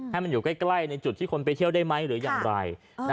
ให้มันอยู่ใกล้ในจุดที่คนไปเที่ยวได้ไหม